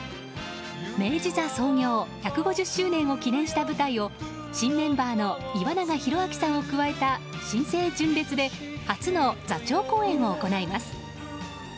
明治座創業１５０周年を記念した舞台を新メンバーの岩永洋昭さんを加えた新生純烈で初の座長公演を行います。